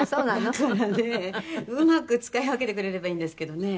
「だからねうまく使い分けてくれればいいんですけどね」